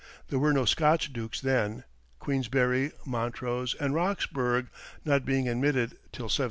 There were no Scotch dukes then Queensberry, Montrose, and Roxburgh not being admitted till 1707.